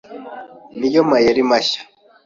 ni yo mayeri mashya